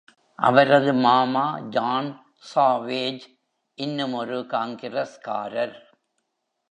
அவரது மாமா John Savage, இன்னுமொரு காங்கிரஸ்காரர்.